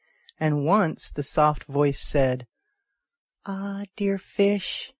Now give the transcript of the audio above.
And once the soft voice said " Ah, dear fish !